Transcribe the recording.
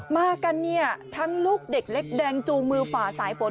มากันเนี่ยทั้งลูกเด็กเล็กแดงจูงมือฝ่าสายฝน